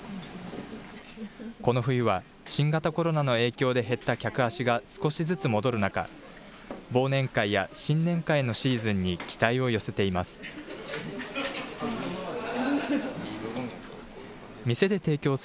この冬は新型コロナの影響で減った客足が少しずつ戻る中、忘年会や新年会のシーズンに期待を寄せています。